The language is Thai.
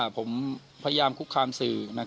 ๓๒ลุงพลแม่ตะเคียนเข้าสิงหรือเปล่า